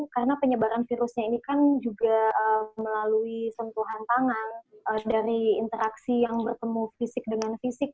karena penyebaran virusnya ini kan juga melalui sentuhan tangan dari interaksi yang bertemu fisik dengan fisik